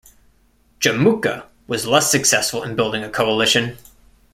Jamukha was less successful in building a coalition.